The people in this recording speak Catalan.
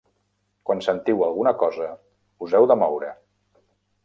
Quan sentiu alguna cosa, us heu de moure.